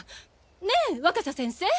ねぇ若狭先生？